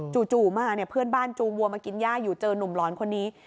จู่มาเนี่ยเพื่อนบ้านจูงวัวมากินย่าอยู่เจอนุ่มหลอนคนนี้